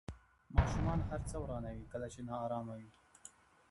ماشومان هر څه ورانوي کله چې نارامه وي.